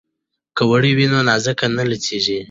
که وړۍ وي نو نانځکه نه لڅیږي.